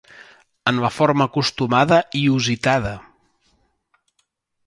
En la forma acostumada i usitada.